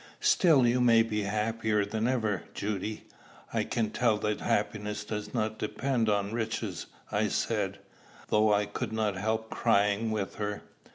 "Still you may be happier than ever, Judy. I can tell you that happiness does not depend on riches," I said, though I could not help crying with her.